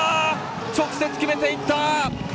直接決めていった！